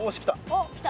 おっ来た。